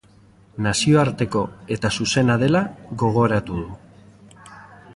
Nazioarteko eta zuzena dela gogoratu du.